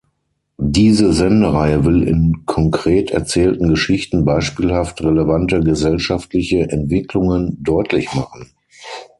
Diese Sendereihe will in konkret erzählten Geschichten beispielhaft relevante gesellschaftliche Entwicklungen deutlich machen.